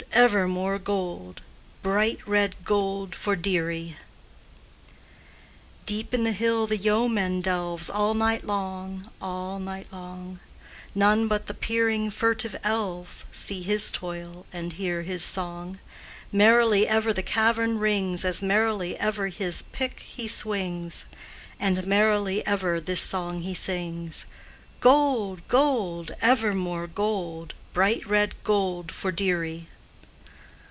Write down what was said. ever more gold, Bright red gold for dearie!" Deep in the hill the yeoman delves All night long, all night long; None but the peering, furtive elves See his toil and hear his song; Merrily ever the cavern rings As merrily ever his pick he swings, And merrily ever this song he sings: "Gold, gold! ever more gold, Bright red gold for dearie!"